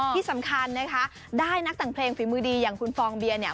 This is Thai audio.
ที่สำคัญนะคะได้นักแต่งเพลงฝีมือดีอย่างคุณฟองเบียร์เนี่ย